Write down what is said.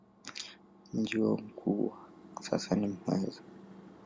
Mji wao mkuu kwa sasa ni Muheza.